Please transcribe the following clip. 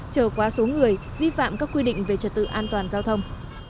chờ quá số người vi phạm các quy định về trật tự an toàn giao thông